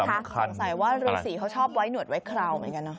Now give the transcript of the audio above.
สงสัยว่าฤษีเขาชอบไว้หนวดไว้คราวเหมือนกันเนอ